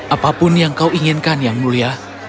apapun yang kau inginkan yang mulia